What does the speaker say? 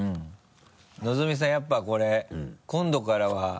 のぞみさんやっぱこれ今度からは。